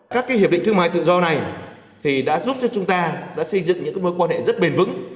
các hiệp định thương mại tự do này đã giúp cho chúng ta đã xây dựng những mối quan hệ rất bền vững